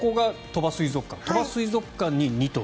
鳥羽水族館に２頭。